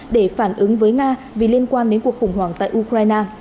để phản ứng với nga vì liên quan đến cuộc khủng hoảng tại ukraine